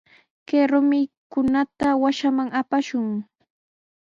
Kay rumikunata wasinman apashun.